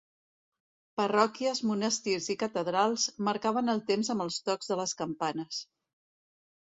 Parròquies, monestirs i catedrals, marcaven el temps amb els tocs de les campanes.